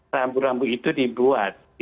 rambu rambu itu dibuat